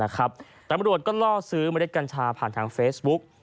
ตำรวจก็ล่อซื้อเมล็ดกัญชาผ่านทางเฟซบุ๊ก